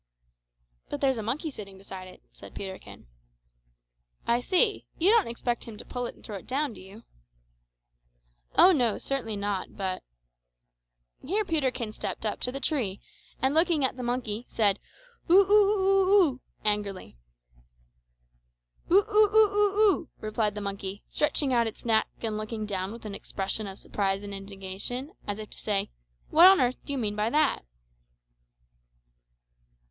"But there's a monkey sitting beside it," said Peterkin. "I see. You don't expect him to pull it and throw it down, do you?" "Oh no, certainly not; but " Here Peterkin stepped up to the tree, and looking up at the monkey, said, "O o o oo o!" angrily. "O o o oo oo!" replied the monkey, stretching out its neck and looking down with an expression of surprise and indignation, as if to say, "What on earth do you mean by that?"